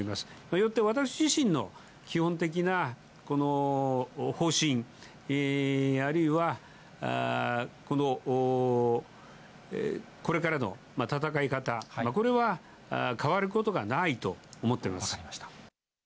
よって、私自身の基本的な方針、あるいはこれからの戦い方、これは変わることがないと思っております。